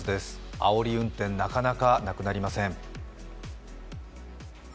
あおり運転、なかなかなくなりません。